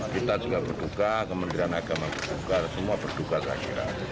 kita juga berduka kementerian agama berduka semua berduka terakhir